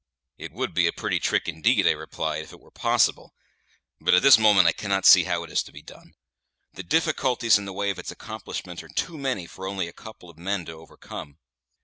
"It would be a pretty trick indeed," I replied, "if it were possible; but at this moment I cannot see how it is to be done. The difficulties in the way of its accomplishment are too many for only a couple of men to overcome.